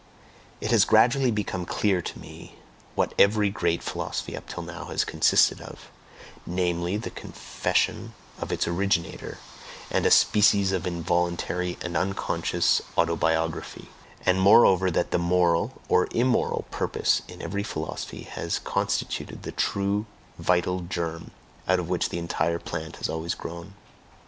It has gradually become clear to me what every great philosophy up till now has consisted of namely, the confession of its originator, and a species of involuntary and unconscious auto biography; and moreover that the moral (or immoral) purpose in every philosophy has constituted the true vital germ out of which the entire plant has always grown.